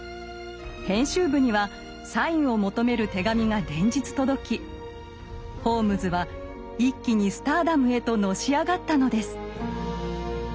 編集部にはサインを求める手紙が連日届きホームズは一気にスターダムへとのし上がったのです。